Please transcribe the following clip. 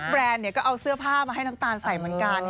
คือทุกแบรนด์เนี่ยก็เอาเสื้อผ้ามาให้น้องตาลใส่เหมือนกัน